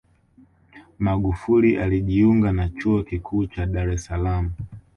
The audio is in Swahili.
Magufuli alijiunga na Chuo Kikuu cha Dar es Salaam